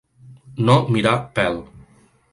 No mirar pèl.